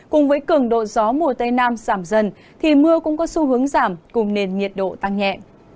cùng với cường độ gió mùa tây nam giảm dần thì mưa cũng có xu hướng giảm cùng nền nhiệt độ tăng nhẹ